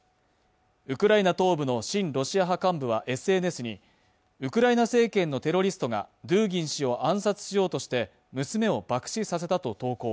ウクライナ東部の親ロシア派幹部はＳＮＳにウクライナ政権のテロリストがドゥーギン氏を暗殺しようとして娘を爆死させたと投稿。